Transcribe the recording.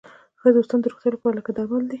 ښه دوستان د روغتیا لپاره لکه درمل دي.